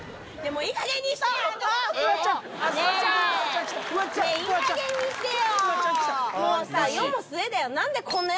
いいかげんにしてよ！